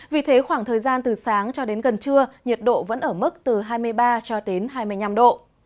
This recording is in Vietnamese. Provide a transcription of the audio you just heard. vì thế khoảng thời gian từ sáng cho đến gần trưa nhiệt độ vẫn ở mức từ hai mươi ba cho đến hai mươi năm độ